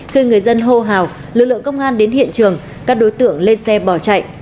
khi người dân hô hào lực lượng công an đến hiện trường các đối tượng lên xe bỏ chạy